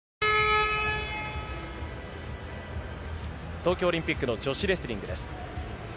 東京オリンピックの女子レスリングです。